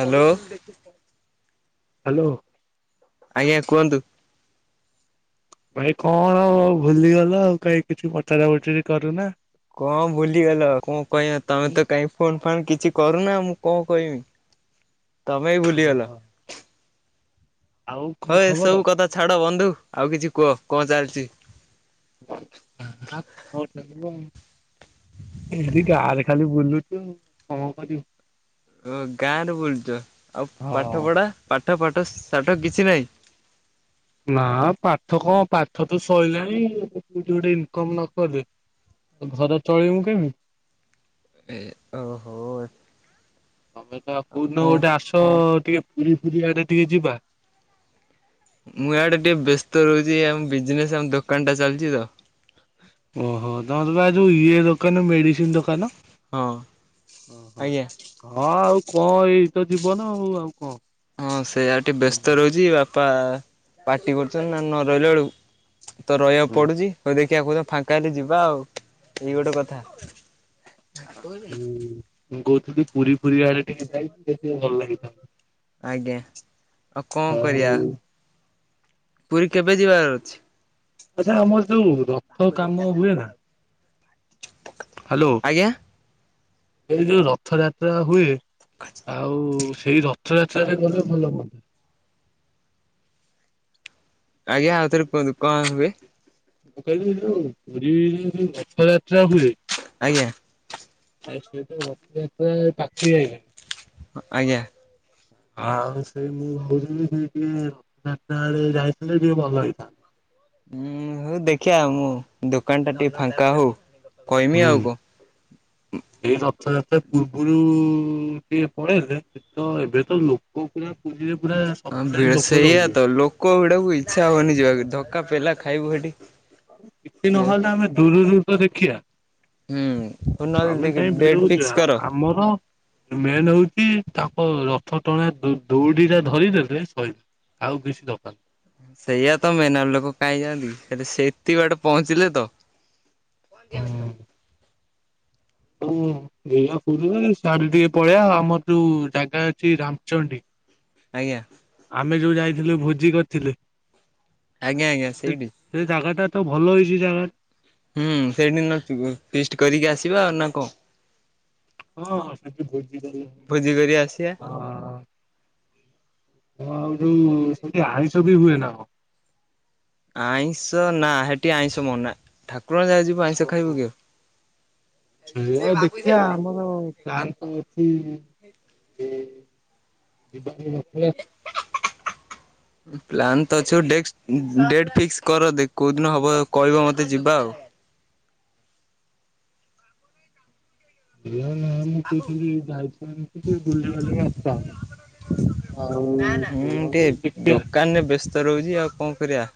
Hello. Hello. ଆଜ୍ଞା କୁହନ୍ତୁ? ଭାଇ କଣ ଆଉ ଭୁଲିଗଲ ଆଉ କାଇଁ କିଛି ପଚରା ପୁଚୁରି କରୁନା। କଣ ଭୁଲିଗଲ କଣ କାଇଁ ତମେ ତ କାଇଁ ଫୋନ ଫାନ କିଛି କରୁନା, ମୁଁ କଣ କହିବିତମେ ବି ଭୁଲିଗଲ? ଆଉ କଣ ହଁ ଏ ଖବର? ସବୁ କଥା ଛାଡ ବନ୍ଧୁ ଆଉ କିଛି କୁହ କଣ ଚାଲିଛି? [unintelligible] ଏଇଁଦି ଗାଁ ରେ ଖାଲି ବୁଲୁ ହୁଁ, କଣ କରିବୁ? ଓ ଗାଁ ରେ ବୁଲୁଚ ଆଉ ପାଠ ହଁ। ପଢା ପାଠ ପାଠ ଶାଠ କିଛି ନାହିଁ? ନା ପାଠ କଣ ପାଠ ତ ଶଇଲାଣି କୋଉଠି ଗୋଟେ ଇନକମ୍ ନ କଲେ ଘର ଚଳେଇବୁ କେମିତି? ଏ ଓ ହୋ। ତମେ ତ କଉ ଦିନ କଣ? ଗୋଟେ ଆସ, ଟିକେ ପୁରୀ ଫୁରୀ ଆଡେ ଟିକେ ଯିବା। ମୁଁ ଆଡେ ଟିକେ ବ୍ୟସ୍ତ ରହୁଛି, ଆମ ବିଜନେସ ଆମ ଦୋକାନ ଟା ଚାଲିଛି ତ। ଓହୋ ତମର ତ ବା ଯୋଉ ଇଏ ଦୋକାନ ମେଡିସିନ ଦୋକାନ? ହଁ। ଓ ହୋ ଆଜ୍ଞା ହଁ ଆଉ କଣ ଏଇ ତ ଜୀବନ ଆଉ କଣ। ହଁ ସେଇଆ ଟିକେ ବ୍ୟସ୍ତ ହୁଁ। ରହୁଛି ବାପା ପାଟି କରୁଛନ୍ତି ନା ନ ରହିଲା ବେଳକୁ ତ ରହିବାକୁ ପଡୁଛି ହଉ ଦେଖିବା କୋଉ ଦିନ ଫାଙ୍କା ହେଲେ ଯିବା ଆଉ, ଏଇ ଗୋଟେ କଥା। ବାପୁ ମୁଁ କହୁଥିଲି ପୁରୀ ଫୁରୀ ଆଡେ ଟିକେ ଯାଇ [unintelligible] ଭଲ ଲାଗିଥାନ୍ତା। ଆଜ୍ଞା, ଆଉ କଣ କରିବା? ପୁରୀ କେବେ ଯିବାର ଅଛି? ଆଚ୍ଛା ଆମର ଯୋଉ ରଥ କାମ ହୁଏ ନା? ହ୍ୟାଲୋ, ଆଜ୍ଞା ଏ ଯୋଉ ରଥଯାତ୍ରା ହୁଏ। [unintelligible] ଆଉ ସେଇ ରଥଯାତ୍ରାରେ ଗଲେ ଭଲ ହୁଅନ୍ତା। ଆଜ୍ଞା ଆଉଥରେ କୁହନ୍ତୁ କଣ ହୁଏ? ମୁଁ କହିଲି, ଯୋଉ ପୁରୀରେ ଯୋଉ ରଥଯାତ୍ରା ହୁଏ ଆଜ୍ଞା। ଫାଷ୍ଟ [unintelligible] ପାଖେଇ ଆଇଲା। ଆଜ୍ଞା। ଆଉ ସେଇ ମୁଁ ଭାବଛି ସେ ଟିକେ ଚାରିଟା ବେଳେ ଯାଇଥିଲେ ଟିକେ ଭଲ ହେଇଥାନ୍ତା। ହୁଁ ହଉ ଦେଖଆ ମୁଁ ଦୋକାନ ଟା ଟିକେ ଫାଙ୍କା ହଉ କହିମି ଆଉ ହୁଁ। କଣ ଏଇ ରଥଯାତ୍ରା ପୂର୍ବରୁ ସିଏ ପଳେଇଲେ ତ ଏବେ ତ ଲୋକ ପୁରା ପୁରୀରେ ପୁରା ହଁ ସଫିସିଏଣ୍ଟ ଭିଡ ଲୋକ ସେଇଆ ରହିବେ। ତ ଲୋକ ଭିଡକୁ ଇଚ୍ଛା ହଉନି ଯିବାକୁ ଧକ୍କା ପେଲା ଖାଇବୁ ସେଠି କିଛି ନହେଲେ ଆମେ ଦୂରରୁ ତ ଦେଖିବା ହୁଁ ହଉ ନହେଲେ ଆମେ ଦେଖ କାହିଁ ଡେଟ୍ ଭିଡକୁ ଫିକ୍ସ ଯିବା କର। ଆମର ମେନ୍ ହଉଛି ତାଙ୍କ ରଥ ଟଣା ଦୌଡି ଟା ଧରିଦେଲେ ସଇଲା ଆଉ ବେଶି ଦରକାର ସେଇଆ ତ ମେନାର ଲୋକ କାହିଁ ଯାଆନ୍ତି କି ହେଲେ ସେତିକି ବାଟ ପହଞ୍ଚିଲେ ତ କନ୍ତିିଆ ହଁ ମୁଁ ଦେଖିବା ପୁରୁଣା ସିଆଡେ ଟିକେ ପଳେଇବା ଆମର ଯୋଉ ଜାଗା ଅଛି ରାମଚଣ୍ଡୀ ଆଜ୍ଞା ଆମେ ଯୋଉ ଯାଇଥିଲୁ ଭୋଜି କରିଥିଲୁ ଆଜ୍ଞା ଆଜ୍ଞା ସେଇଠି ସେ ଜାଗା ଟା ତ ଭଲ ହେଇଛି ଜାଗା ହୁଁ ସେଇଠି ନୁଚିବୁ ଫିଷ୍ଟି କରିକି ଆସିବା ଆଉ ନା କଣ ହଁ ସିଆଡେ ଭୋଜି ଭୋଜି କରି ଆସିବା କରିବା ହଁ ହଁ ଆଉ ଯୋଉ ସେଇଠି ଆଇଁଷ ବି ହୁଏ ନା ଆଉ ଆଇଁଷ ନା ହେଠି ଆଇଁଷ ମନା ଠାକୁରଙ୍କ ଯାଗା ଯିବୁ ଆଇଁଷ ଖାଇବୁ କି ଆଉ ସେଇଆ ଦେଖିବା ଆମର ପ୍ଲାନ କଣ ଅଛି ହେ ସେ ଯିବାର ହିଁ ନଥିଲା ପ୍ଲାନ୍ ତ ଅଛି ଆଉ ଡେକ୍ସ ଡେଟ୍ ଫିକ୍ସ କର ଦେ କୋଉ ଦିନ ହବ କହିବ ମତେ ଯିବା ଆଉ ନା ମୁଁ କହୁଥିଲି ଯାଇଥାନ୍ତେ ଟିକେ ବୁଲାବୁଲି ଆସିଥାନ୍ତେ ମୁଁ ଟିକେ ଦୋକାନରେ ବ୍ୟସ୍ତ ରହୁଛି ଆଉ କଣ କରିବା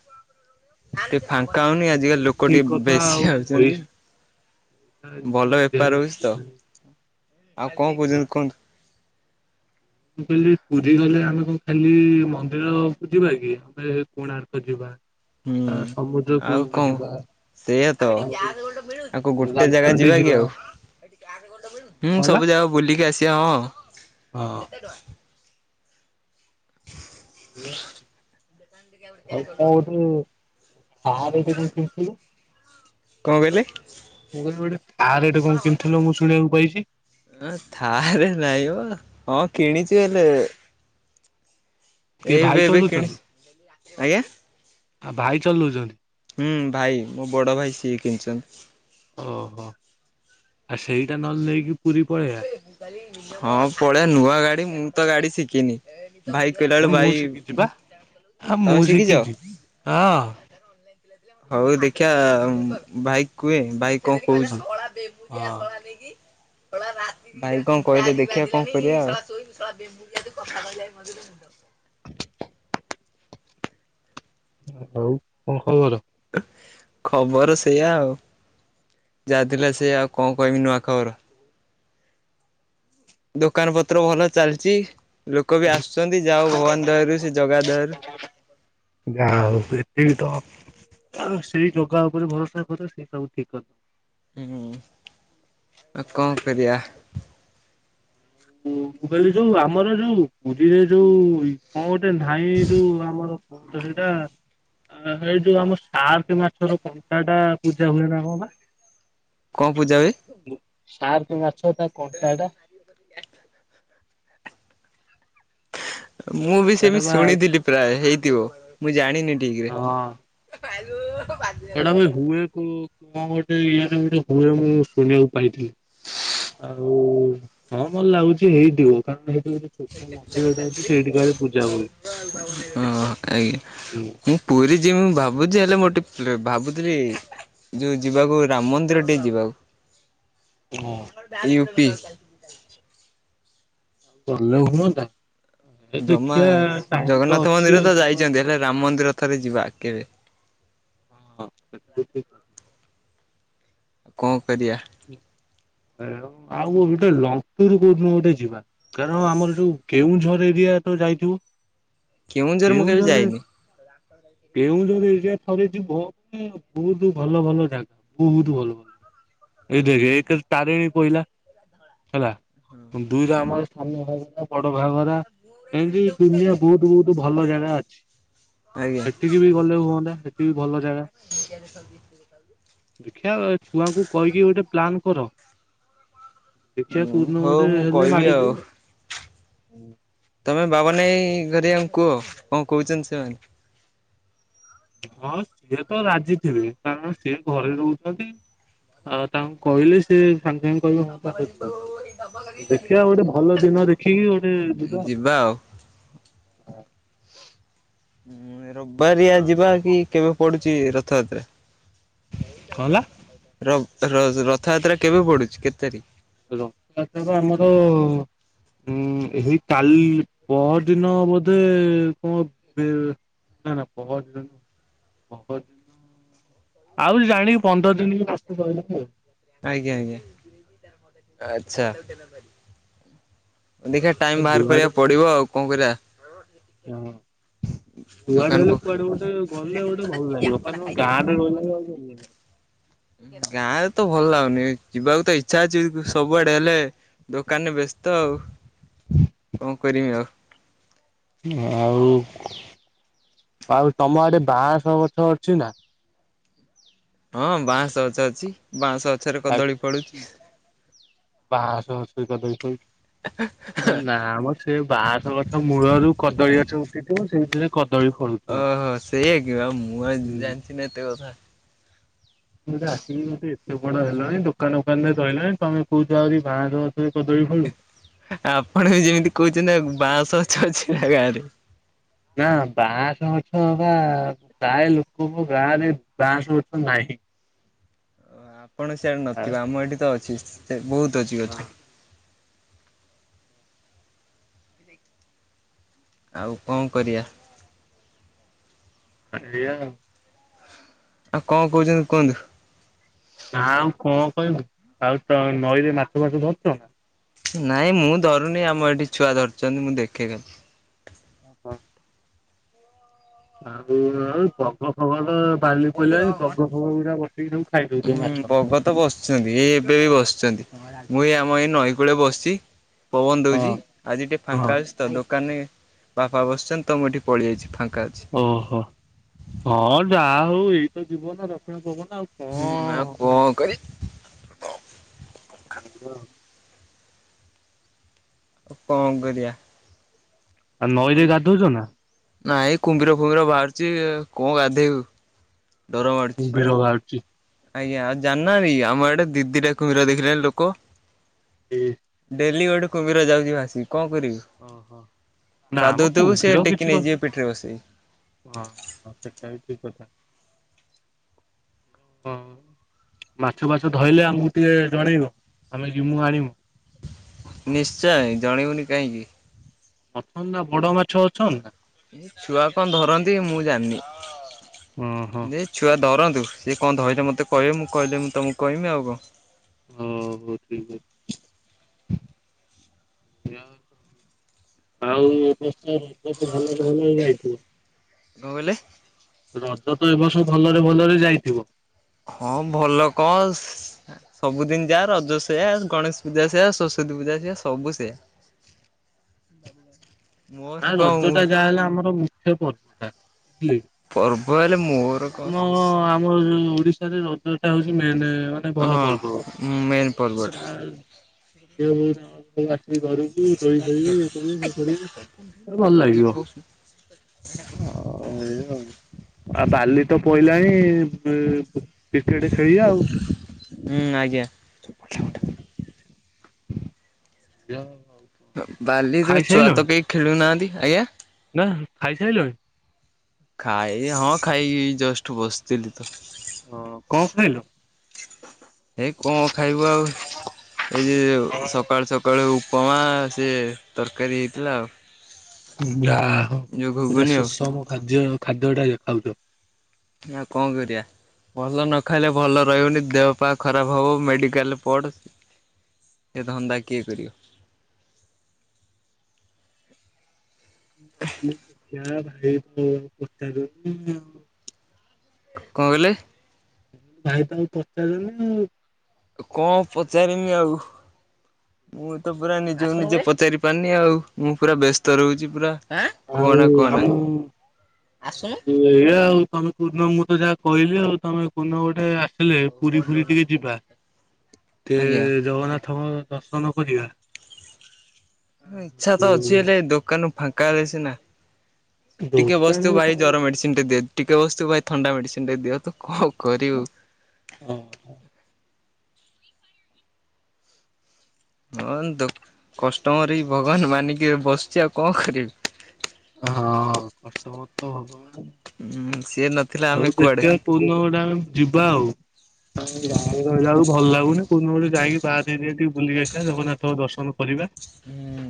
ଟିକେ ଫାଙ୍କା ହଉନି ଆଜିକାଲି ଲୋକ ଠିକ ଟିକେ କଥା ଆଉ ବେଶୀ ହଉଛନ୍ତି ପଇସା ଇନକମ୍ ଭଲ କରିବାର ବେପାର ହଉଛି ତ ଅଛି। ଆଉ କଣ କହୁଛନ୍ତି କୁହନ୍ତୁ ମୁଁ କହିଲି ପୁରୀ ଗଲେ ଆମେ କଣ ଖାଲି ମନ୍ଦିରକୁ ଯିବା କି ଫେରେ କୋଣାର୍କ ଯିବା ହୁଁ ଆ ସମୁଦ୍ର ଆଉ କୂଳକୁ କଣ ଯିବା ସେଇଆ ତ ଆଉ କଣ ଗୋଟେ ଜାଗା ଯିବା କି ଆଉ ହୁଁ କଣ ହେଲା ସବୁ ଜାଗା ବୁଲିକି ଆସିବା ହଁ ଆଉ କଣ ଗୋଟେ କାରରେ ଯିବି କଣ କହିଲେ? ମୁଁ କହିଲି ଗୋଟେ ଥାଆର ଟେ କଣ କିଣିଥିଲ ମୁଁ ଶୁଣିବାକୁ ପାଇଛି ହ ଥାର ନାଇଁ ମ ହଁ କିଣିଛି ହେଲେ କିଏ ଏବେ ଭାଇ ଏବେ ଚଲଉଛନ୍ତି କିଣିଛି ଆଜ୍ଞା। ଆଉ ଭାଇ ଚଲଉଛନ୍ତି ହୁଁ ଭାଇ ମୋ ବଡ ଭାଇ ସିଏ କିଣିଛନ୍ତି। ଓହୋ ଆଉ ସେଇଟା ନହେଲେ ନେଇକି ପୁରୀ ପଳେଇବା। ହଁ ପଳେଇଆ ନୂଆ ଗାଡି ମୁଁ ତ ଗାଡି ଶିଖିନି ଭାଇ ଆ ପିଲାବେଳୁ ମୁଁ ଭାଇ ଶିଖିଛି ବା ଆ ମୁଁ ତମେ ଶିଖିଛ? ଶିଖିଛି। ହଁ ହଉ ଦେଖିଆ ଭାଇକି କୁହେ ଭାଇ କଣ କହୁଛି ହଁ ଭାଇ କଣ କହିଲେ ଦେଖିବା କଣ କରିବା ଆଉ। [unintelligible] ଆଉ କଣ ଖବର? ଖବର ସେଇଆ ଆଉ ଯାହା ଥିଲା ସେଆ ଆଉ କଣ କହିବି ନୂଆ ଖବର। ଦୋକାନ ପତ୍ର ଭଲ ଚାଲିଛି ଲୋକ ବି ଆସୁଛନ୍ତି ଯାହା ହୋଉ ଭଗବାନ୍ ଦୟାରୁ ସେ ଜଗା ଦଆରୁ। ଯାହା ହଉ ଏତେ ବି ତ ଆଉ ସେଇ ଜଗା ଉପରେ ଭରସା କରି ସେଇ ସବୁ ଠିକ୍ କରିଦବ। ହୁଁ ଆଉ କଣ କରିବା। ମୁଁ ମୁଁ କହିଲି ଯୋଉ ଆମର ଯୋଉ ପୁରୀରେ ଯୋଉ କଣ ଗୋଟେ ନାଇଁ ଯୋଉ ଆମର [unintelligible] ଏଇ ଯୋଉ ଆମ ସାର୍କ ମାଛର କଣ୍ଟା ଟା ପୂଜା ହୁଏ ନା କଣ ବା? କଣ ପୂଜା ହୁଏ? ସାର୍ ମାଛ ତା କଣ୍ଟା ଟା। ମୁଁ ବି ଏଟା ସେମିତି ବା ଶୁଣିଥିଲି ପ୍ରାୟେ ହେଇଥିବ ମୁଁ ଜାଣିନି ଠିକ୍ ରେ। ଉ ହୁଁ [unintelligible] ସେଟା ବି ହୁଏ କଣ ଗୋଟେ ଇଏରେ ଗୋଟେ ହୁଏ ମୁଁ ଶୁଣିବାକୁ ପାଇଥିଲି। ଆଉ ହଁ ଭଲ ଲାଗୁଛି ହେଇଥିବ କାରଣ ହେଇଥିବ। [unintelligible] ହଁ ଆଜ୍ଞା ହୁଏ। ହୁଁ ମୁଁ ପୁରୀ ଯିମି ମୁଁ ଭାବୁଛି ହେଲେ ମୋର ଟିକେ ଭାବୁଥିଲି। ଯୋଉ ଯିବାକୁ ରାମ ମନ୍ଦିର ଟିକେ ଯିବାକୁ। ହଁ। ୟୁପି। ଗଲେ ହୁଅନ୍ତା। ଏ ଜମା ଦେଖିବା ଟାଇମ ତ ଜଗନ୍ନାଥ ଅଛି ମନ୍ଦିର ଆଉ ତ ଯିବାକୁ। ଯାଇଛନ୍ତି ହଁ ହେଲେ ରାମ ମନ୍ଦିର ଥରେ ଯିବା କେବେ। ହଁଁ [unintelligible] କଣ କରିବା। ଆଉ ଗୋଟେ ଲଙ୍ଗଟୁରୁ କୋଉ ଦିନ ଗୋଟେ ଯିବା କାରଣ ଆମର ଯୋଉ କେଉଁଝର ଏରିଆ ତ ଯାଇଥିବୁ କେଉଁଝର ମୁଁ କେବେ କେଉଁଝରରେ ଯାଇନି କେଉଁଝର ଏରିଆ ଥରେ ଯିବ ବହୁତ୍ ଭଲ ଭଲ ଜାଗା ବହୁତ୍ ଭଲ ଭଲ ଏଇ ଦେଖ ଏକ ତାରିଣୀ ପଇଲା ହେଲା ଦୁଇ ରେ ଆମର ସାନ ଘାଗେରା ବଡ ଘାଗରା ଏମିତି ଦୁନିଆ ବହୁତ୍ ବହୁତ୍ ଭଲ ଜାଗା ଅଛି। ଆଜ୍ଞା। ସେଠିକି ବି ଗଲେ ହୁଅନ୍ତା ସେଠି ବିି ଭଲ ଜାଗା ଦେଖିବା ଛୁଆଙ୍କୁ କହିକି ଗୋଟେ ପ୍ଲାନ୍ କର ଦେଖିଆ କୋଉଦିନ ହଉ ଗୋଟେ ମୁଁ ହେଲେ କହିବି ମାଡି ଆଉ। ଯିବୁ। ତମେ ବାବାନାଇ ଘରିଆକୁ କୁହ କଣ କହୁଛନ୍ତି ସେମାନେ। ହଁ ସିଏ ତ ରାଜି ଥିବେ କାରଣ ସିଏ ଘରେ ରହୁଛନ୍ତି। ଆଉ ତାଙ୍କୁ କହିଲି ସେ ସାଙ୍ଗେ ସାଙ୍ଗେ କହିବ [unintelligible] ଦେଖିବା ଗୋଟେ ଭଲ ଦିନ ଦେଖିକି ଗୋଟେ ଯିବା। ଯିବା ଆଉ। ରବିବାରିଆ ଯିବା କି କେବେ ପଡୁଛି ରଥଯାତ୍ରା। କଣ ହେଲା ର ର ରଥଯାତ୍ରା କେବେ ପଡୁଛି କେତେ ତାରିଖି? [unintelligible] ଆମର ଉଁ ଏଇ କାଲି ପହର ଦିନ ବୋଧେ କଣ [unintelligible] ନା ନା ପହରଦିନ [unintelligible] ଆଉ ଜାଣି ପନ୍ଦର ଦିନ ବସ୍ତେ କହିଲ ଆଉ। ଆଜ୍ଞା ଆଜ୍ଞା। ଆଛା ଦେଖି ଆ ଟାଇମ ବାହାର କରିବାକୁ ପଡିବ ଆଉ କଣ କରିବା। ହୁ। କୁଆଡେ ଦୋକାନ ଗଲେ ଫୋକାନ କୁଆଡେ ଗୋଟେ ଗଲେ ଗୋଟେ ଭଲ ଲାଗିବ ଗାଁ ରେ [unintelligible] ଗାଁ ରେ ତ ଭଲ ଲାଗୁନି ଯିବାକୁ ତ ଇଚ୍ଛା ଅଛି ସବୁଆଡେ ହେଲେ ଦୋକାନରେ ବ୍ୟସ୍ତ ଆଉ କଣ କରବି ଆଉ। ଆଉ ଆଉ ତମ ଆଡେ ବାଆଁ ସହ ଗଛ ଅଛି ନା?। ହଁ ବାଁଶ ଗଛ ଅଛି ବାଉଁଶ ଗଛରେ କଦଳୀ ଫାଳୁଛି। ବାଉଶ ଗଛରେ କଦଳୀ ଫଳିଛି ଏ ନା ମୋ। ସେ ବାହାଁସ ଗଛ ମୂଳରୁୁ କଦଳୀ ଗଛ ଉଠେଇଥିବ ସେଇଥିରେ କଦଳୀ ଫଳୁଛି। ଓହୋ ସେଇଥା କି ମୁଁ ଆଉ ଜାଣିଛି ନା ଏତେ କଥା। ମୁଁ ତ ଆସିବି ଏତେ ବଡ ହେଲାଣି ଦୋକାନ ଫକାନ ରେ ରହିଲଣି ତମେ କୋଉଛ ଆହୁରି ବାହାର ସିଏ କଦଳୀ ଫଳୁ। ଆପଣ ବି ଯେମିତି କହୁଛନ୍ତି ନା ବାଁଉଶ ଗଛ ଅଛି ନା ଗାଁରେ। ନା ବାଁସ ଗଛ ବା ପାୟ ଲୋକ ଗାଁ ରେ ବାଁସ ଗଛ ନାହିଁ। ଆପଣ ସିଆଡେ ଆ ନଥିବ ଆମ ଏଠି ତ ଅଛି ସେ ବହୁତ ଅଛି ଗଛ। ହଁ ଆଉ କଅଁ କରିଆ। ଆଜା [unintelligible] ଆଉ କଣ କହୁଚନ୍ତି କୁହନ୍ତୁ। ନ ମ କଣ କହିିଁ ମୁଆଉ ତ ନଈରେ ମାଛ ଫାଛ ଧରୁଚ଼? ନାଇଁ ମୁଁ ଧରୁନି ଆମ ଏଠି ଛୁଆ ଧରିଛନ୍ତି ମୁଁ ଦେଖେ ବସି ଉ ଆଉଉ [unintelligible] ବଗ ଫଗ ତ ବାଲି ପଡ଼ିଲାଣି ବଗ ଫଗ ଗୁଡା ବସେଇିକି ସବୁ ଖାଇଦଉଛି ହୁଁ ମାଛ। ବଗ ତ ବସଛନ୍ତି ଏଇ ଏବେ ବି ବସିଛନ୍ତି ମୁଁ ଏଇ ଆମ ଏଇ ନଈ କୂଳେ ବସିଛି। ପବନ ଦଉଛି ହଁ ଆଜି ଟିକେ ଫାଙ୍କା ଅଛି। ତ ଦୋକାନରେ ବାପା ବସିଛନ୍ତି ତ ମୁଁ ଏଠି ପଳେଇଯାଇଛି ଫାଙ୍କା ଅଛି। ଓହୋ ହଁ ଯାହା ହଉ ଏଇ ତ ଯିବ ନା ରକ୍ଷଣା ପବନ ଆଉ କଣ ହୁଁ ଆଉ କଣ କରି। ହ ହ [unintelligible] କଆଁ କରିଆ। ଆଉ ନଈରେ ଗାଧଉଛ ନା? ନାଇଁ କୁମ୍ଭିର ଫୁମ୍ବିର ବାହାରୁଛି କଣ ଗାଧେଇବୁ। ଡର ମାଡୁଛି କୁ୍ମ୍ବିର ବାହାରୁଛି। ଆଜ୍ଞା ଆଉ ଜାନାଭି ଆମର ଆଡେ ଦିଦିଟା କୁମ୍ଭୀର ଦେଖିଲେଣି ଲୋକ। ଇ ଡେଲି ଗୋଟେ କୁମ୍ଭୀର ଯାଉଛି ଭାସିକି କଅଁ କରିବୁ। ଓହୋ ନା ମ ଗାଧଉଥିବୁ ସେଏ କୁମ୍ଭୀର କିଛି ଟେକି କରି ନେଇଯିବେ ପିଠିରେ ବସେଇ। ହଁ ସେଟା ବି ଠିକ କଥା ହଁ। ମାଛ ଫାଛ ଧଇଲେ ଆମକୁ ଟିକେ ଜଣେଇବ ଆମେ ଜିମୁ ଆଣିବୁ। ନିଶ୍ଚିୟ ଜଣେଇବୁନି କାହିଁକି। ଅଛନ୍ ନା ବଡ ମାଛ ଅଛନ୍ ନା? ଏ ଛୁଆ କଅଁ ଧରନ୍ତି ମୁଁ ଓ ହୋ। ଜାଣିନି। ଛୁଆ ଧରନ୍ତୁ ଇଏ କଣ ଧରିଲେ ମତେ କହିବେ ମୁଁ କହିଲେ ମୁଁ ତମକୁ କହିବି ଆଉ କଣ। ହଁ ହୋ ଠିକ ଅଛି। ଆଉ [unintelligible] ଭଲରେ ଭଲ ହେଇ [unintelligible] କଣ କହିଲେ? ରଜ ତ ଏ ବର୍ଷ ଭଲରେ ଭଲରେ ଯାଇଥିବ। ହଁ ଭଲ କଁ ସବୁଦିନ୍ ଯାହା ରଜ ସେଆ ଗଣେଶ ପୂଜା ସେଆ ସରସ୍ଵତୀ ପୂଜା ସିଆ ସବୁ ସେଆ। [unintelligible] ମୋର ନା କଣ ମୁଁ ରଜଟା ଯାହା ହେଲେ ଆମର ମୁଖ୍ୟ ପର୍ବଟା ବୁଝିଲି। ପର୍ବ ହେଲେ ମୋର କଣ ଆମ ଆମ ଓଡି ଓଡିଶାରେ ରଜଟା ହଉଚି ମେନେ। ହଁ ମେନ୍ ପର୍ବଟା। ହ ଆସିବି ଘରକୁ ରୋଳି ଖିବି ଇଏ କରିବେ ସେଏ କରିବେ। ଭଲ ଲାଗିବ। [unintelligible] ହଁ ଆ ବାଲି ତ ପଇଲାଣି କ୍ରିକେଟେ ଖେଳିଆ ଆଉ। ହୁଁ ଆଜ୍ଞା! ଯ ତ ବାଲିରେ ଛୁଆ ତ କେଇ ଖେଳୁନାହାଁନ୍ତି। ଆଜ୍ଞା? ନା ଖାଇସାଇଲୁଣି? ଖାଇ ହଁ ଖାଇି ଜଷ୍ଟ ବସିଥିଲି ତ। ଓ କଁ ଖାଇଲୁ? ହେଇ କଁ ଖାଇବୁ ଆଉ ଏଇ ଯୋଉ ସକାଳୁ ସକ୍ କାଳୁ ଉପମା ସିଏ ତରକାରୀ ହେଇଥିଲା ଆଉ। ଯାହା ହଉ ଯୋଉ ପୁରା ଘୁଗୁନି ଆଉ ସୁଷମ ଖାଦ୍ୟ ଖାଦ୍ୟଟା ଦେଖାଉଚ। ଆଉ କଁ କରିବା। ଭଲ ନ ଖାଇଲେ ଭଲ ରହିବୁନି ଦେହ ପା ଖରାପ ହବ ମେଡିକାଲରେ ପଡ। ଏ ଧନ୍ତା କିଏ କରିବ। [unintelligible] କଁ କଇଲେ? ଭାଇ ତ ଆଉ ପଚାରୁନି ଆଉ। କଁ ପଚାରିମି ଆଉ। ମୁଁ ତ ପୁରା ନିଜକୁ ନିଜେ ପଚାରି ପାରୁନି ଆଉ। ମୁଁ ପୁରା ବ୍ୟସ୍ତ ରହୁଚି ପୁରା। ଆଉ। ଆଉ କୁହନା ଆମ କୁହନା। ଏଇଆ ଆଉ ତମେ କୋଉଦିନ ମୁଁ ତ ଯାହା କହିଲି ଆଉ ତମେ କୋଉଦିନ ଗୋଟେ ଆସିଲେ ପୁରୀ ଫୁରୀ ଟିକେ ଯିବା ଆଜ୍ଞା। ଟିକେ ଜଗନ୍ନାଥଙ୍କ ଦର୍ଶନ କରିବା। ଇଚ୍ଛା ତ ଅଛି ହେଲେ ଦୋକାନ ଫାଙ୍କା ହେଲେ ସିନା। ଟିକେ ଦୋକାନ ବସିଥିବୁ ଭାଇ କଣ ଜର ମେଡ଼ିସି ନ୍ଟେ ଦିଅ ଟିକେ ବସ୍ତୁ ଭାଇ ଥଣ୍ଡା ମେଡିସିନଟେ ଦିଅ ତୁ କଣ କରିବୁ। ଓହୋ। ହଁ ତ କଷ୍ଟମର ହି ଭଗବାନ୍ ମାନିକି ବସିଚି ଆଉ କଣ କରିବି। ହଁ କଷ୍ଟମର ତ ଭଗବାନ୍। ହୁଁ ସିଏ ନଥିଲେ ଆମେ କୁଆଡେ। ପୁନ ଗୋଟେ ଆମେ ଯିବା ଆଉ। ଆ ଗାଁରେ ରହିଲାକୁ ଭଲ ଲାଗୁନି କୋଉ ଦିନ ଗୋଟେ ଯାଇକି ବାହା ଯ ଟିକେ ବୁଲିକ ଆସିବା ଜଗନ୍ନାଥଙ୍କ ଦର୍ଶନ କରିବା। ହୁଁ!